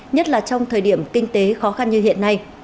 nhất là trong thời điểm kinh tế khó khăn như hiện nay